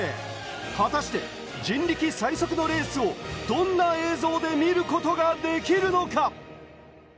果たして人力最速のレースをどんな映像で見ることができるのか。